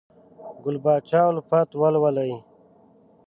ګل پاچا الفت ولولئ!